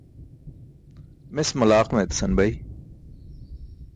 Mes malaaq meetasan bay.